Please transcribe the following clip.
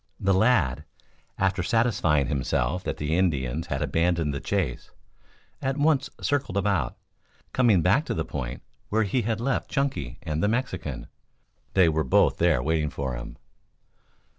The lad, after satisfying himself that the Indians had abandoned the chase, at once circled about, coming back to the point where he had left Chunky and the Mexican. They were both there waiting for him.